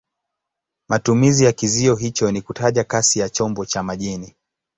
Matumizi ya kizio hicho ni kutaja kasi ya chombo cha majini.